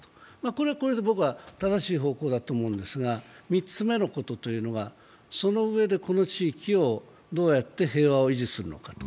これはこれで正しい方向だと思うんですが３つ目のことというのが、そのうえでこの地域をどうやって平和を維持するのかと。